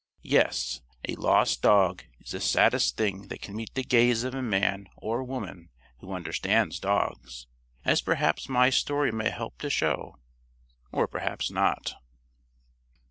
Yes, a lost dog is the saddest thing that can meet the gaze of a man or woman who understands dogs. As perhaps my story may help to show or perhaps not.